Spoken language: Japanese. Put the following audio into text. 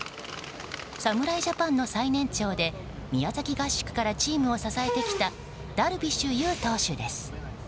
侍ジャパンの最年長で宮崎合宿からチームを支えてきたダルビッシュ有投手です。